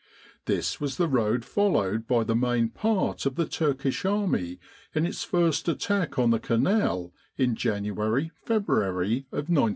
This was the road followed by the main part of the Turkish army in its first attack on the Canal in January February of 1915.